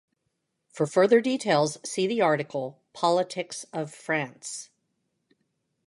For further details see the article: Politics of France.